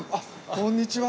こんにちは。